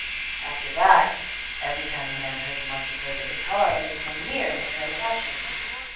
After that every time the man heard the monkey play the guitar he would come near and try to catch him.